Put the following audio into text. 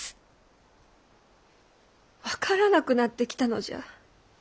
分からなくなってきたのじゃ。